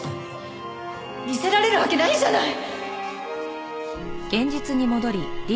見せられるわけないじゃない！